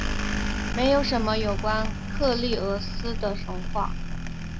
没有什么有关克利俄斯的神话。